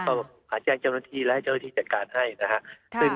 ก็หาแจ้งเจ้าหน้าที่และให้เจ้าหน้าที่จัดการให้นะครับ